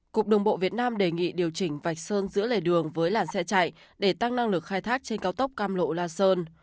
cục đường bộ việt nam đề nghị điều chỉnh vạch sơn giữa lề đường với làn xe chạy để tăng năng lực khai thác trên cao tốc cam lộ la sơn